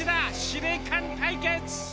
司令官対決。